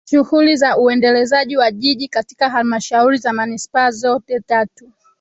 shughuli za uendelezaji wa Jiji katika Halmashauri za Manispaa zote tatu